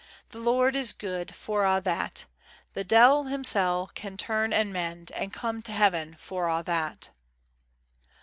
The Lord is guid for a' that; The de'il himsel' can turn and mend, And come to Heaven for a' that.